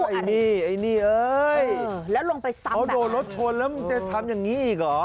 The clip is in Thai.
อ๋อไอ้นี่ไอ้นี่เอ้ยแล้วลงไปซ้ำแบบนี้โอ้โหโดนรถชนแล้วมึงจะทำอย่างนี้อีกเหรอ